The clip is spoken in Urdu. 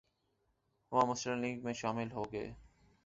وہ مسلم لیگ میں شامل ہوگئے